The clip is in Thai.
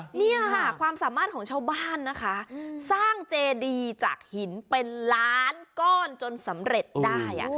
นี่ค่ะความสามารถของชาวบ้านนะคะสร้างเจดีจากหินเป็นล้านก้อนจนสำเร็จได้